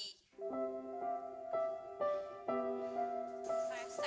resek itu kalau apa nih ya